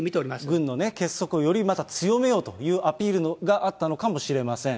軍の結束をよりまた強めようというアピールがあったのかもしれません。